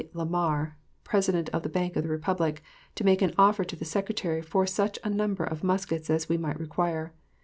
B. Lamar, President of the Bank of the Republic, to make an offer to the Secretary for such a number of muskets as we might require.